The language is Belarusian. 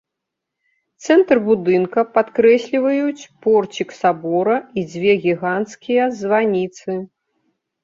Цэнтр будынка падкрэсліваюць порцік сабора і дзве гіганцкія званіцы.